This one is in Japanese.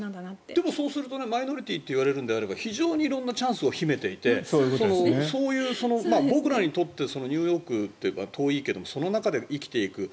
でも、そうするとマイノリティーって言われるのであれば非常に色んなチャンスを秘めていてそういう、僕らにとってニューヨークは遠いけどその中で生きていく。